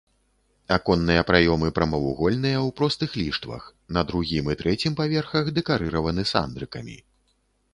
Аконныя праёмы прамавугольныя ў простых ліштвах, на другім і трэцім паверхах дэкарыраваны сандрыкамі.